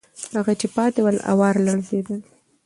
هغه چې پاتې ول، آوار لړزېدل.